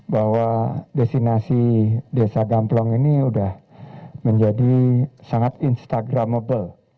bahwa destinasi desa gamplong ini sudah menjadi sangat instagramable